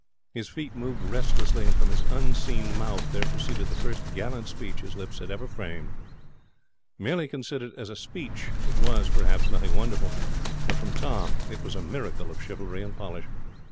His feet moved restlessly, and from his unseen mouth there proceeded the first gallant speech his lips had ever framed. Merely considered as a speech, it was, perhaps, nothing wonderful; but from Tom it was a miracle of chivalry and polish.